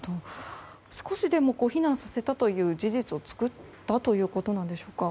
少しでも避難させたという事実を作ったということでしょうか。